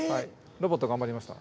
ロボット頑張りました。